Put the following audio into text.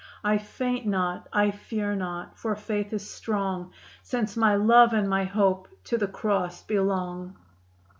I faint not; I fear not, for faith is strong Since my love and my hope to the Cross belong."